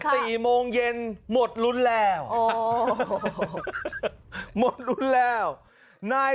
อย่าให้ผมเย็นนะผมเย็นหมดเลยนะ